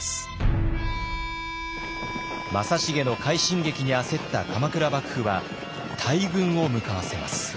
正成の快進撃に焦った鎌倉幕府は大軍を向かわせます。